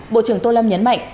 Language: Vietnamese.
bộ trưởng tô lâm nhấn mạnh